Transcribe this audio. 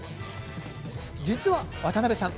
実は渡辺さん